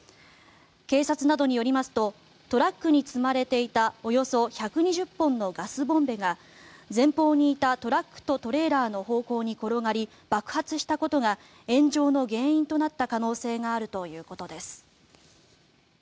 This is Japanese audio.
警察などによりますとトラックに積まれていたおよそ１２０本のガスボンベが前方にいたトラックとトレーラーの方向に転がり爆発したことが炎上の原因となった可能性があるということです。